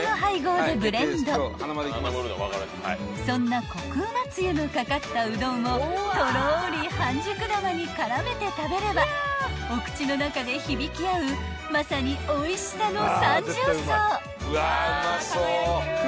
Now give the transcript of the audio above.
［そんなコクうまつゆの掛かったうどんをとろり半熟玉に絡めて食べればお口の中で響き合うまさにおいしさの３重奏］